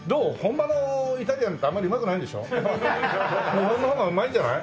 日本のほうがうまいんじゃない？